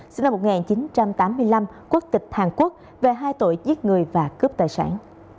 sinh năm một nghìn chín trăm tám mươi năm quốc tịch hàn quốc về hai tội giết người và cướp tài sản